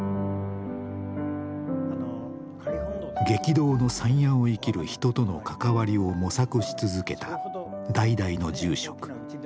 激動の山谷を生きる人との関わりを模索し続けた代々の住職。